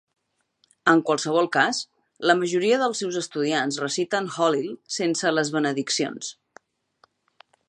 En qualsevol cas, la majoria dels seus estudiants reciten Hallel sense les benediccions.